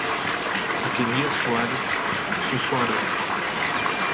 Akemia Soares Sussuarana